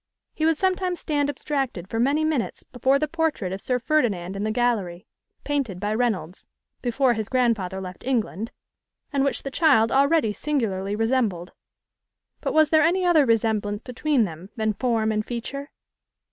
He would sometimes stand abstracted for many minutes before the portrait of Sir Ferdinand in the gallery, painted by Reynolds, before his grandfather left England, and which the child already singularly resembled. But was there any other resemblance between them than form and feature?